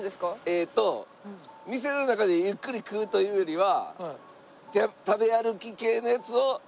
えーっと店の中でゆっくり食うというよりは食べ歩き系のやつを買って食べて。